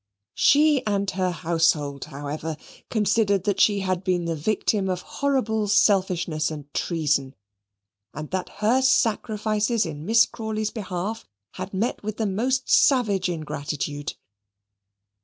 She and her household, however, considered that she had been the victim of horrible selfishness and treason, and that her sacrifices in Miss Crawley's behalf had met with the most savage ingratitude.